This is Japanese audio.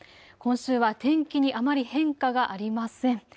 今週は天気にあまり変化はありません。